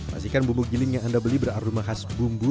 pastikan bumbu giling yang anda beli beraroma khas bumbu